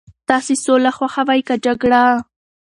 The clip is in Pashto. تاسي سوله خوښوئ که جګړه؟